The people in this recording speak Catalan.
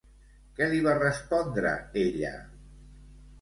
Què li va respondre ella?